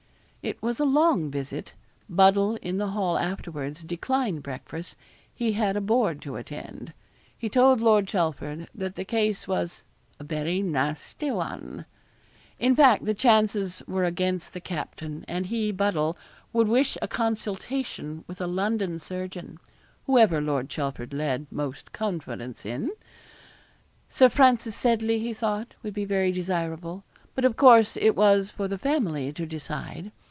It was a long visit. Buddle in the hall afterwards declined breakfast he had a board to attend. He told Lord Chelford that the case was 'a very nasty one.' In fact, the chances were against the captain, and he, Buddle, would wish a consultation with a London surgeon whoever Lord Chelford lead most confidence in Sir Francis Seddley, he thought, would be very desirable but, of course, it was for the family to decide.